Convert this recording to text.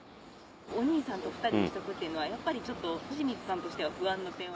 お兄さんと２人にしておくっていうのはやっぱりちょっと俊光さんとしては不安な点は。